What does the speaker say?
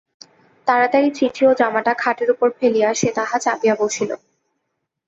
তাড়াতাড়ি চিঠি ও জামাটা খাটের উপর ফেলিয়া সে তাহা চাপিয়া বসিল।